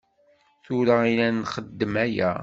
Tura i la nxeddem aya.